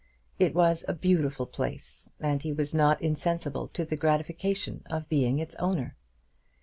It was a beautiful place, and he was not insensible to the gratification of being its owner.